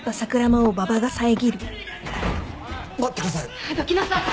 待ってください。